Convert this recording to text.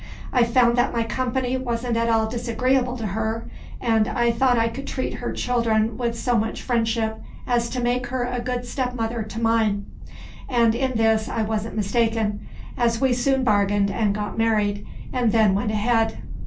I found that my company wasn't at all disagreeable to her; and I thought I could treat her children with so much friendship as to make her a good stepmother to mine, and in this I wan't mistaken, as we soon bargained, and got married, and then went ahead.